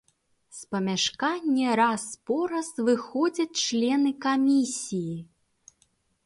З памяшкання раз-пораз выходзяць члены камісіі.